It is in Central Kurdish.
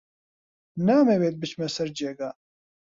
نامەوێت بچمە سەر جێگا.